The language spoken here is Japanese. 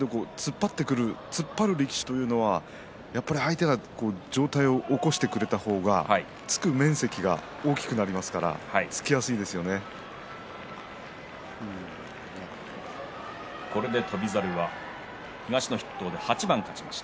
突っ張る力士というのは相手が上体を起こしてくれた方が突く面積が大きくなりますからこれで翔猿が東の筆頭で８番勝ちました。